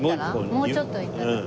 もうちょっと行った所。